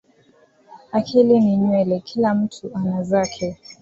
Akili ni nywele kila mtu ana zake